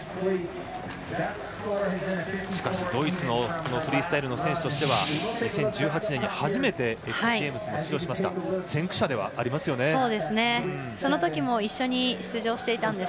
しかしドイツのフリースタイルの選手としては２０１８年に初めてＸＧＡＭＥＳも出場しました。